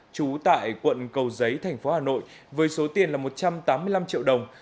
trú tại quận cầu giấy thành phố hà nội với số tiền là một trăm tám mươi năm triệu đồng